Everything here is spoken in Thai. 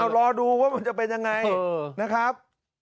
รอดูว่ามันจะเป็นยังไงนะครับ